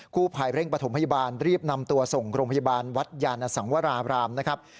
ผู้ภัยเร่งประถมพยาบาลรีบนำตัวส่งโรงพยาบาลวัดยานสังวราบรามนะครับ